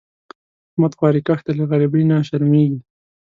احمد خواریکښ دی؛ له غریبۍ نه شرمېږي.